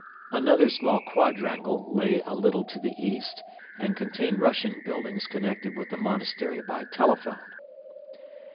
Another small quadrangle lay a little to the east and contained Russian buildings connected with the monastery by telephone.